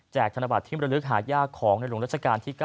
ธนบัตรที่มรลึกหายากของในหลวงราชการที่๙